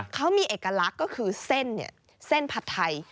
เขามีเอกลักษณ์ก็คือเส้นเส้นผัดไทย